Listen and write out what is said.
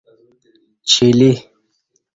چیلی